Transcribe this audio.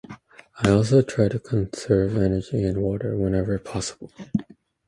I also try to conserve energy and water whenever possible.